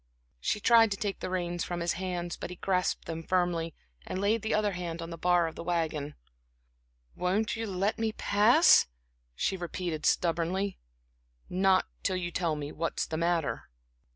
She tried to take the reins from his hands, but he grasped them firmly, and laid the other hand on the bar of the wagon. "Won't you let me pass?" she repeated stubbornly. "Not till you tell me what's the matter."